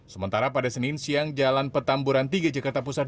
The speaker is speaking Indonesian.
sementara pada senin siang jalan petamburan tiga jakarta pusat